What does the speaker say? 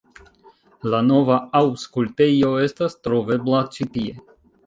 La nova Aŭskultejo estas trovebla ĉi tie.